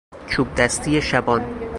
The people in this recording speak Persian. چوبدستی شبان